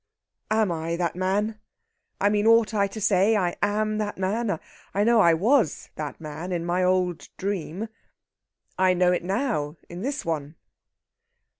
"Am I that man? I mean ought I to say 'I am that man'? I know I was that man, in my old dream. I know it now, in this one."